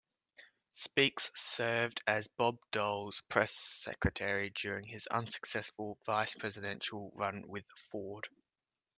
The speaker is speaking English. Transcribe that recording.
Speakes served as Bob Dole's press secretary during his unsuccessful vice-presidential run with Ford.